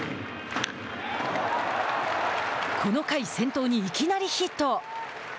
この回、先頭にいきなりヒット。